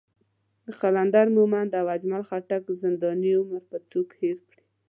د قلندر مومند او اجمل خټک زنداني عمر به څوک هېر کړي.